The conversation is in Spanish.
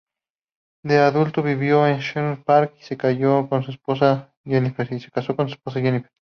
De adulto vivió en Sherwood Park y se casó con su esposa Jennifer.